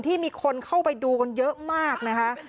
ที่มีคนเข้าไปดูกันเยอะมากนะคะ